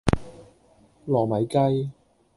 糯米雞